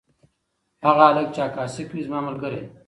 هغه هلک چې عکاسي کوي زما ملګری دی.